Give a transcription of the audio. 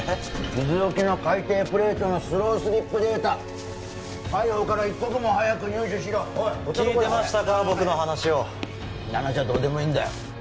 伊豆沖の海底プレートのスロースリップデータ海保から一刻も早く入手しろおい聞いてましたか僕の話をそんな話はどうでもいいんだよ